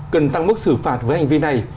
cần tăng mức xử phạt với hành vi này